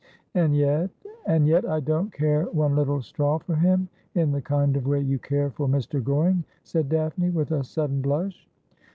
' And yet '' And yet I don't care one little straw for him — in the kind of way you care for Mr. Goring,' said Daphne, with a sudden blush.